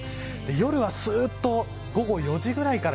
夜はすっと午後４時ぐらいから